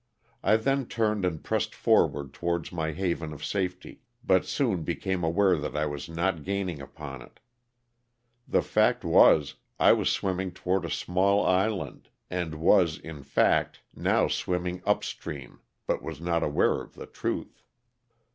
I then turned and pressed forward towards my haven of safety, but soon became aware that I was not gain ing upon it. The fact was, I was swimming toward a small island and was, in fact, now swimming up stream but was not aware of the truth.